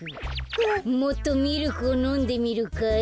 もっとミルクをのんでみるかい？